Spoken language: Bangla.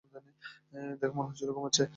দেখে মনে হচ্ছিল ঘুমাচ্ছে।